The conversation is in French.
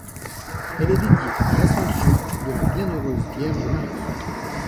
Elle est dédiée à l'Assomption de la Bienheureuse Vierge Marie.